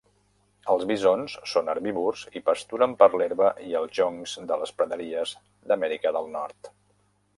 El bisons són herbívors i pasturen per l'herba i els joncs de les praderies d'Amèrica del Nord.